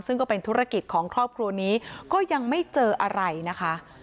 ซึ่งก็เป็นธุรกิจของครอบครัวนี้ก็ยังไม่เจออะไรนะคะ